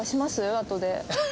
あとで。